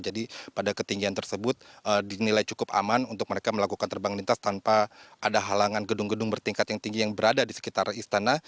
jadi pada ketinggian tersebut dinilai cukup aman untuk mereka melakukan terbang lintas tanpa ada halangan gedung gedung bertingkat yang tinggi yang berada di sekitar istana